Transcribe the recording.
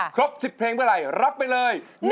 ครบ๑๐เพลงเมื่อไหร่รับไปเลย